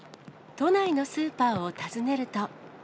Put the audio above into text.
都内のスーパーを訪ねると。